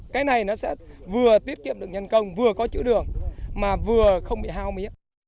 cái này nó sẽ vừa tiết kiệm được nhân công vừa có chữ đường mà vừa không bị hao mía